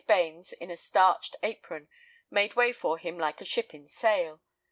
Bains in a starched apron made way for him like a ship in sail.